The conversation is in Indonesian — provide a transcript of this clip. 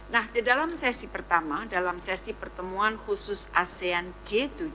nah di dalam sesi pertama dalam sesi pertemuan khusus asean g tujuh puluh